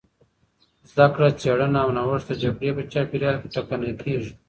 زدهکړه، څېړنه او نوښت د جګړې په چاپېریال کې ټکنۍ کېږي.